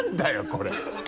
これ。